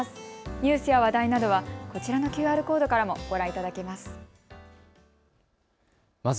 ニュースや話題などはこちらのＱＲコードからもご覧いただけます。